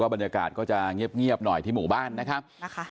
บรรยากาศก็จะเงียบหน่อยที่หมู่บ้านนะครับนะคะ